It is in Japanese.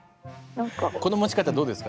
この持ち方どうですか？